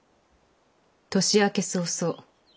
年明け早々。